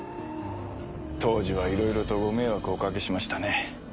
当時はいろいろとご迷惑をお掛けしましたね。